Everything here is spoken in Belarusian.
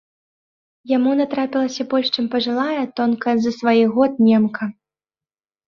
Яму натрапілася больш чым пажылая, тонкая з-за сваіх год, немка.